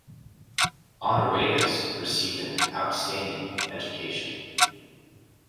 Honoratus received an outstanding education.